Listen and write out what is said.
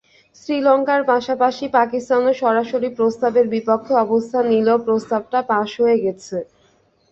শ্রীলঙ্কার পাশাপাশি পাকিস্তানও সরাসরি প্রস্তাবের বিপক্ষে অবস্থান নিলেও প্রস্তাবটা পাস হয়ে গেছে।